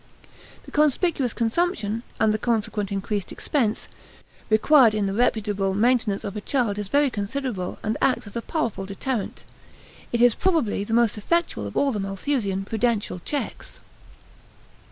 The conspicuous consumption, and the consequent increased expense, required in the reputable maintenance of a child is very considerable and acts as a powerful deterrent. It is probably the most effectual of the Malthusian prudential checks.